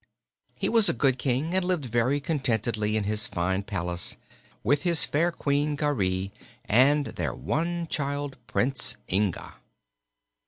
He was a good King and lived very contentedly in his fine palace, with his fair Queen Garee and their one child, Prince Inga.